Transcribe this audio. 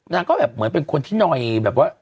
นางก็แบบเหมือนเป็นคนที่นอยแบบว่า